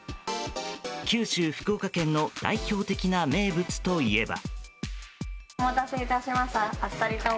九州、福岡県の代表的な名物といえば。